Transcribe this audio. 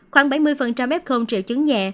khoảng bảy mươi f triệu chứng nhẹ